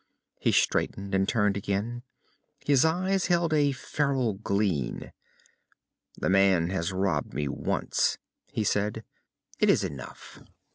He straightened and turned again. His eyes held a feral glint. "The man has robbed me once," he said. "It is enough."